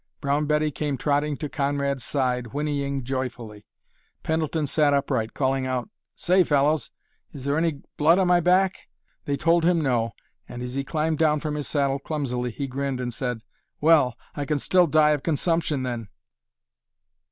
Brown Betty came trotting to Conrad's side, whinnying joyfully. Pendleton sat upright, calling out, "Say, fellows, is there any blood on my back?" They told him no and as he climbed down from his saddle clumsily he grinned and said: "Well, I can still die of consumption, then!"